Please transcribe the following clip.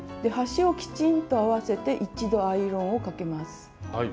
端をきちんと合わせて一度アイロンをかけます。